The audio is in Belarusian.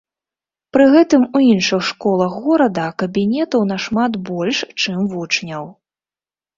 Пры гэтым у іншых школах горада кабінетаў нашмат больш, чым вучняў.